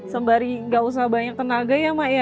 sembari gak usah banyak tenaga ya emak